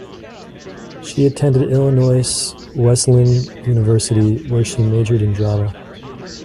She attended Illinois Wesleyan University, where she majored in drama.